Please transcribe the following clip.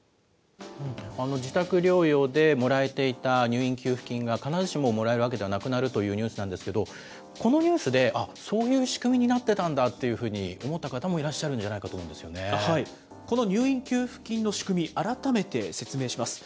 自宅療養でもらえていた入院給付金が、必ずしももらえるわけではなくなるというニュースなんですけど、このニュースで、そういう仕組みになってたんだというふうに思った方もいらっしゃこの入院給付金の仕組み、改めて説明します。